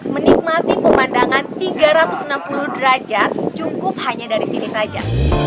menikmati pemandangan tiga ratus enam puluh derajat cukup hanya dari sini saja